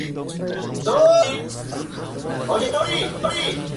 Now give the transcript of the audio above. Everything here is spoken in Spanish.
Era hijo de Abraham Bower y de Cornelia Morris.